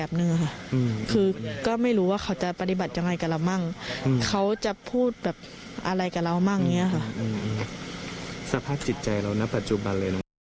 สภาพจิตใจเราณปัจจุบันเลยลูก